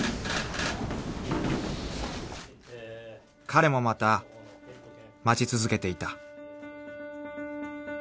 ［彼もまた待ち続けていた］